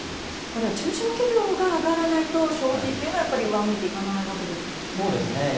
これは中小企業が上がらないと消費というのはやっぱり上向いていかないわけですよね。